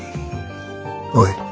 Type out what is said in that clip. おい。